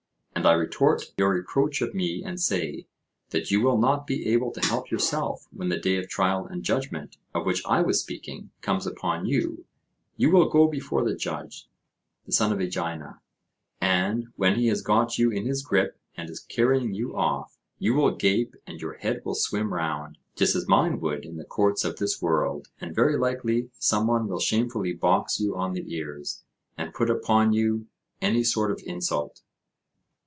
And I retort your reproach of me, and say, that you will not be able to help yourself when the day of trial and judgment, of which I was speaking, comes upon you; you will go before the judge, the son of Aegina, and, when he has got you in his grip and is carrying you off, you will gape and your head will swim round, just as mine would in the courts of this world, and very likely some one will shamefully box you on the ears, and put upon you any sort of insult.